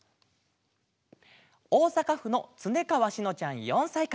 おおさかふのつねかわしのちゃん４さいから。